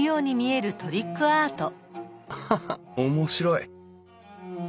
アハハッ面白い。